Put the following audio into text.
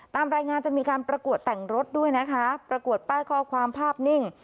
ตามรายงานจะมีการประกวดแต่งรถด้วยนะคะประกวดป้ายข้อความภาพนิ่ง